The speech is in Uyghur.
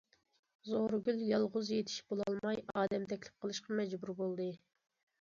زورىگۈل يالغۇز يېتىشىپ بولالماي، ئادەم تەكلىپ قىلىشقا مەجبۇر بولدى.